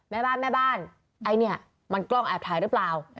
แม่บ้านแม่บ้านไอ้เนี่ยมันกล้องแอบถ่ายหรือเปล่า